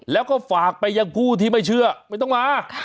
แล้วก็ฝากไปยังผู้ที่ไม่เชื่อไม่ต้องมา